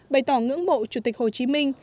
bày tỏ ngưỡng mộ chủ tịch hồ chí minh